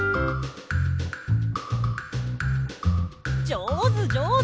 じょうずじょうず！